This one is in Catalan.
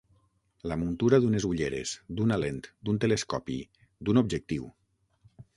La muntura d'unes ulleres, d'una lent, d'un telescopi, d'un objectiu.